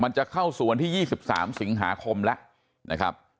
จะเข้าสู่วันที่๒๓สิงหาคมแล้วนะครับ